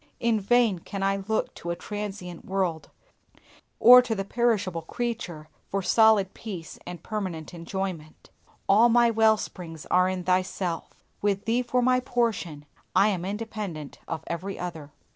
In vain can I look to a transient world, or to the perishable creature, for solid peace and permanent enjoyment. All my well springs are in Thyself; with Thee for my portion I am independent of every other.